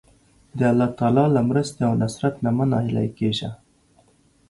د الله تعالی له مرستې او نصرت نه مه ناهیلی کېږه.